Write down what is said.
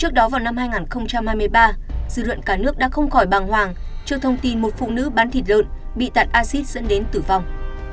trước đó vào năm hai nghìn hai mươi ba dư luận cả nước đã không khỏi bàng hoàng cho thông tin một phụ nữ bán thịt lợn bị tạt acid dẫn đến tử vong